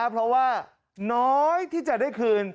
เพราะว่าน้อยที่จะได้คืน